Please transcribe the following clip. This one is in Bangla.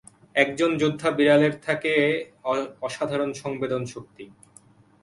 একজন যোদ্ধা বিড়ালের থাকে অসাধারণ সংবেদন শক্তি।